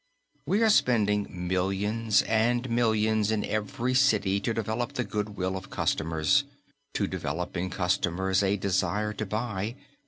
We are spending millions and millions in every city to develop the good will of customers, to develop in customers a desire to buy.